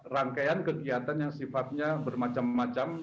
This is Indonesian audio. rangkaian kegiatan yang sifatnya bermacam macam